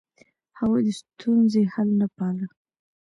هغوی د ستونزې حل نه پاله.